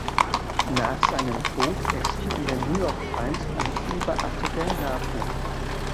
Nach seinem Tod erschien in der New York Times ein viel beachteter Nachruf.